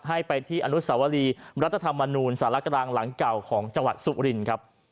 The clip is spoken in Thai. ให้ไปที่อนุสาวรีรัฐธรรมนูลสารกลางหลังเก่าของจังหวัดสุรินครับ